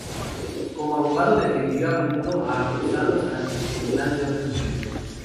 Como abogado defendió a menudo a acusados ante el Tribunal de Orden Público.